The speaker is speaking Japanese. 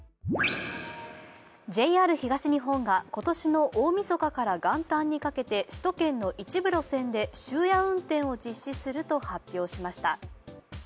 ＪＲ東日本が今年の大みそかから元旦にかけて首都圏の一部路線で終夜運転をすると発表しました。